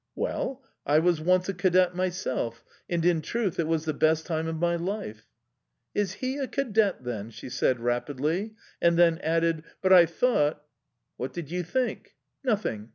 "Well? I was once a cadet myself, and, in truth, it was the best time of my life!" "Is he a cadet, then?"... she said rapidly, and then added: "But I thought"... "What did you think?"... "Nothing!